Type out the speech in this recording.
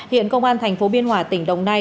hiện công an thành phố biên hòa tỉnh đồng nai